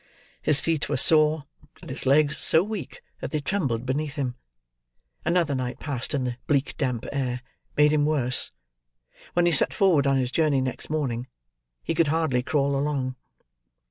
His feet were sore, and his legs so weak that they trembled beneath him. Another night passed in the bleak damp air, made him worse; when he set forward on his journey next morning he could hardly crawl along.